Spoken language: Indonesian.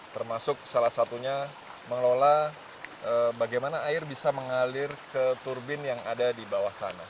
termasuk salah satunya mengelola bagaimana air bisa mengalir ke turbin yang ada di bawah sana